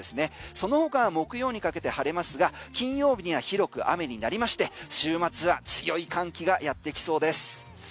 その他、木曜にかけて晴れますが金曜日には広く雨になりまして週末は強い寒気がやってきそうです。